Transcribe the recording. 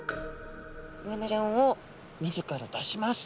イワナちゃんを水から出します。